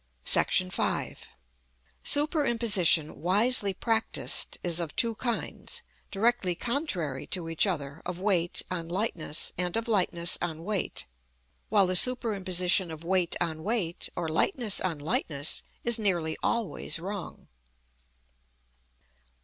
§ V. Superimposition, wisely practised, is of two kinds, directly contrary to each other, of weight on lightness, and of lightness on weight; while the superimposition of weight on weight, or lightness on lightness, is nearly always wrong.